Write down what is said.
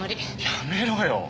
やめろよ。